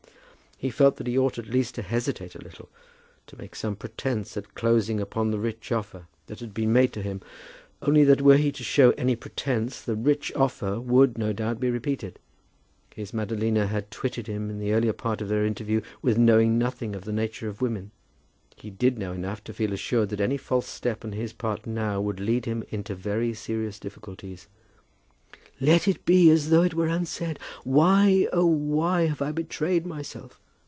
He felt that he ought at least to hesitate a little, to make some pretence at closing upon the rich offer that had been made to him; only that were he to show any such pretence the rich offer would, no doubt, be repeated. His Madalina had twitted him in the earlier part of their interview with knowing nothing of the nature of women. He did know enough to feel assured that any false step on his part now would lead him into very serious difficulties. "Let it be as though it were unsaid! Why, oh, why, have I betrayed myself?"